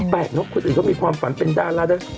มันแปลกเนอะคนอื่นก็มีความฝันเป็นดาราด้า